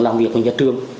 làm việc với nhà thương